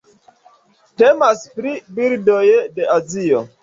Temas pri birdoj de Azio.